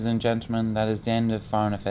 của truyền thình nhân dân